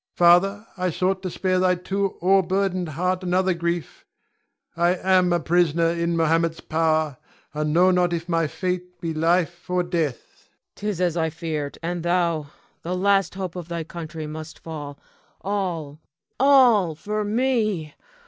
Father, I sought to spare thy too o'erburdened heart another grief. I am a prisoner in Mohammed's power, and know not if my fate be life or death. Cleon. 'Tis as I feared; and thou, the last hope of thy country, must fall, all, all, for me!